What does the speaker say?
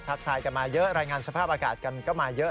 ทายกันมาเยอะรายงานสภาพอากาศกันก็มาเยอะ